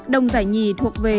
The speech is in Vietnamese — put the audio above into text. đồng giải nhì thuộc về